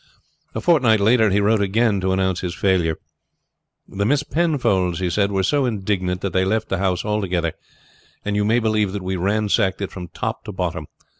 A fortnight later he wrote again to announce his failure. "The Miss Penfolds," he said, "were so indignant that they left the house altogether, and you may believe that we ransacked it from top to bottom.